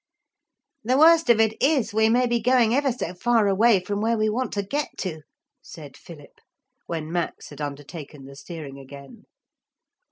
'The worst of it is we may be going ever so far away from where we want to get to,' said Philip, when Max had undertaken the steering again.